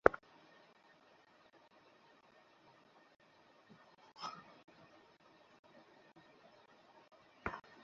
আমি এক গ্লাস দুধ চাই, ঠিক আছে, আঙ্কেল?